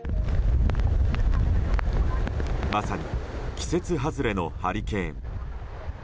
まさに季節外れのハリケーン。